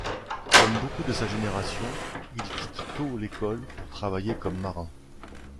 Comme beaucoup de sa génération, il quitte tôt l’école pour travailler comme marin.